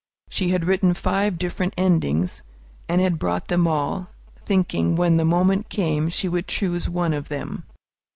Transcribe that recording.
She had written five different endings, and had brought them all, thinking, when the moment came, she would choose one of them.